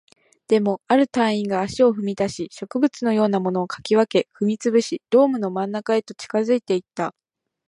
でも、ある隊員が足を踏み出し、植物のようなものを掻き分け、踏み潰し、ドームの真ん中へと近づいていった